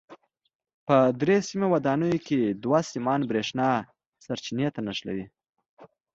په درې سیمه ودانیو کې دوه سیمان برېښنا سرچینې ته نښلي.